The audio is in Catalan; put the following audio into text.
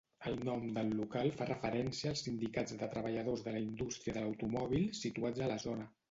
El nom del local fa referència als sindicats de treballadors de la indústria de l'automòbil situats a la zona.